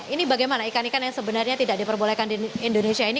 ini bagaimana ikan ikan yang sebenarnya tidak diperbolehkan di indonesia ini